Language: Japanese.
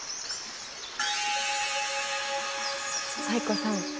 藍子さん